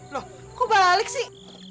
loh kok balik sih